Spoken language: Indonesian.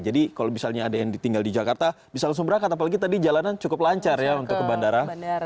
jadi kalau misalnya ada yang tinggal di jakarta bisa langsung berangkat apalagi tadi jalanan cukup lancar ya untuk ke bandara